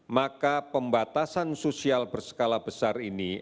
maka pembatasan sosial berskala besar ini